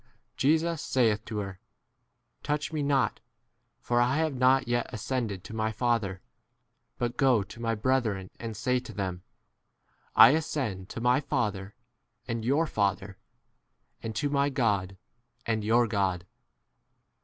Jesus saith to her, Touch me not, for I have not yet ascended to my Father ; but go to my brethren and say to them, I ascend to my Father and your Father, and to my 18 God and your God.